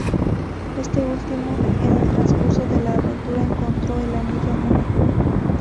Este último, en el transcurso de la aventura, encontró el Anillo Único.